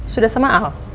sudah sama al